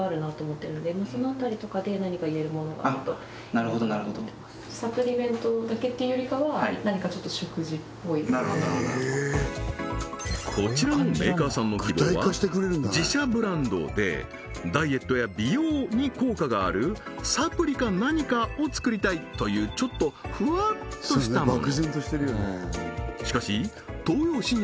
・なるほどなるほどなるほどなるほどこちらのメーカーさんの希望は自社ブランドでダイエットや美容に効果があるサプリか何かを作りたいというちょっとふわっとしたもの